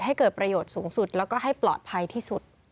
ให้เกิดประโยชน์สูงสุดแล้วก็ให้ปลอดภัยที่สุด